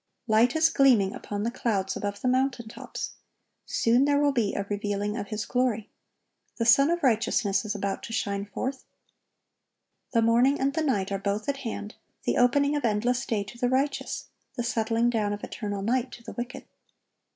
'(1085) Light is gleaming upon the clouds above the mountain tops. Soon there will be a revealing of His glory. The Sun of Righteousness is about to shine forth. The morning and the night are both at hand,—the opening of endless day to the righteous, the settling down of eternal night to the wicked."